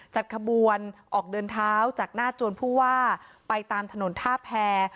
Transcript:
จัดขบวนออกเดินเท้าจากหน้าจวนผู้ว่าไปตามถนนท่าแพร